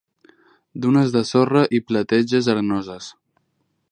Dunes de sorra i plateges arenoses.